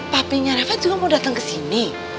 papinya reva juga mau dateng kesini